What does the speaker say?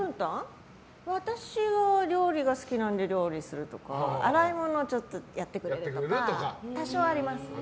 私は料理が好きなので料理するとか洗い物ちょっとやってくれるとか多少あります。